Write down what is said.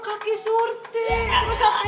kaki surti terus sampai